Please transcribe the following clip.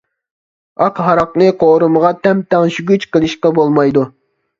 ئاق ھاراقنى قورۇمىغا تەم تەڭشىگۈچ قىلىشقا بولمايدۇ.